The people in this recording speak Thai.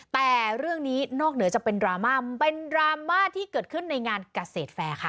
แต่เรื่องนี้นอกเหนือจะเป็นดราม่ามันเป็นดราม่าที่เกิดขึ้นในงานเกษตรแฟร์ค่ะ